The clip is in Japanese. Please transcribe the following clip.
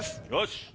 よし！